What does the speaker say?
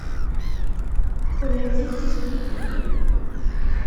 Kennemti d tiswidiyin?